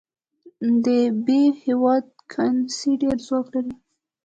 د ب هیواد کرنسي ډېر ځواک لري.